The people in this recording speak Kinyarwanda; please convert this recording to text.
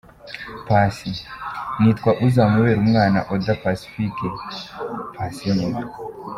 Paccy : Nitwa Uzamberumwana Oda Pacifique, Paccy nyine !.